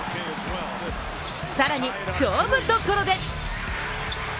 更に、勝負どころで！